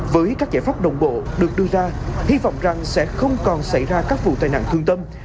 với các giải pháp đồng bộ được đưa ra hy vọng rằng sẽ không còn xảy ra các vụ tai nạn thương tâm